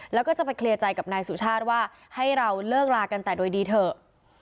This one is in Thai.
แล้วก็จะไปเคลียร์ใจกับนายสุชาติว่าให้เราเลิกลากันแต่โดยดีเถอะ